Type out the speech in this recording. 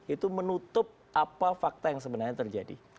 itu menutup apa fakta yang sebenarnya terjadi